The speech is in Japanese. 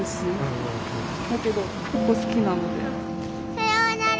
さようなら。